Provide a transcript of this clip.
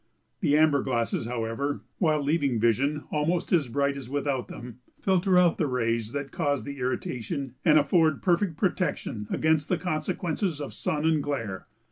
The amber glasses, however, while leaving vision almost as bright as without them, filter out the rays that cause the irritation and afford perfect protection against the consequences of sun and glare.